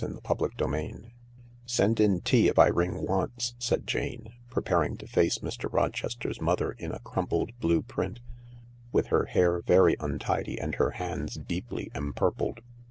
o CHAPTER XXIII " Send in tea if I ring once," said Jane, preparing to face Mr. Rochester's mother in a crumpled blue print, with her hair very untidy and her hands deeply empurpled.